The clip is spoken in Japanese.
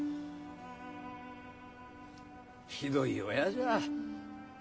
ひどい親じゃ。